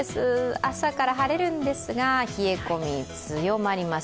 朝から晴れるんですが冷え込み強まります。